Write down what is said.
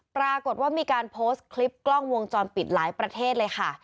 ปรากฏว่ามีการโพสต์คลิปกล้องวงจรปิดหลายประเทศเลยค่ะ